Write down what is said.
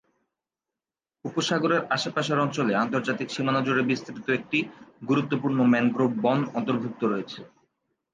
উপসাগরের আশেপাশের অঞ্চলে আন্তর্জাতিক সীমানা জুড়ে বিস্তৃত একটি গুরুত্বপূর্ণ ম্যানগ্রোভ বন অন্তর্ভুক্ত রয়েছে।